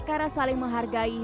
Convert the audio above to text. karena saling menghargai